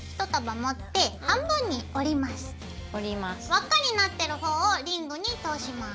輪っかになってる方をリングに通します。